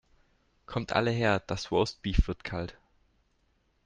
Kommt alle her, das Roastbeef wird kalt!